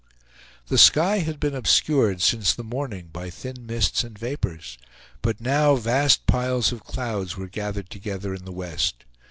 The sky had been obscured since the morning by thin mists and vapors, but now vast piles of clouds were gathered together in the west.